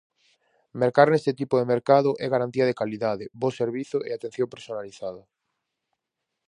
Mercar neste tipo de mercado é garantía de calidade, bo servizo e atención personalizada.